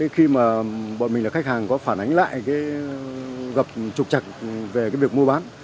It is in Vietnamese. khi mà bọn mình là khách hàng có phản ánh lại gặp trục trặc về việc môi bán